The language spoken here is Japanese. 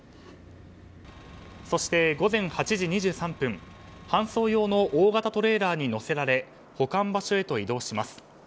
そして午前８時２３分搬送用の大型トレーラーに載せられ保管場所へ移動します。